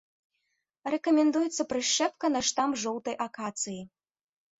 Рэкамендуецца прышчэпка на штамб жоўтай акацыі.